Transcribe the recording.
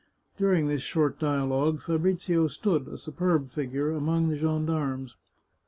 During this short dialogue, Fabrizio stood, a superb figure, amid the gendarmes.